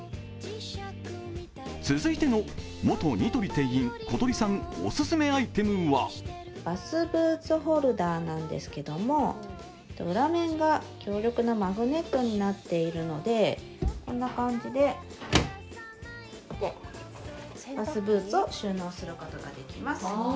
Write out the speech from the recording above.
続いての元ニトリ店員、ことりさんオススメアイテムはバスブーツホルダーなんですけど、裏面が強力なマグネットになっているのでこんな感じでバスブーツを収納することができます。